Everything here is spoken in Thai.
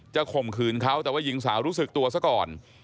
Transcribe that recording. ข่มขืนเขาแต่ว่าหญิงสาวรู้สึกตัวซะก่อน